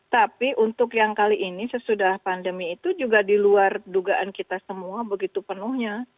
tapi untuk yang kali ini sesudah pandemi itu juga di luar dugaan kita semua begitu penuhnya